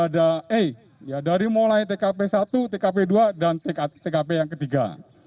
ada e dari mulai tkp satu tkp dua dan tkp yang ketiga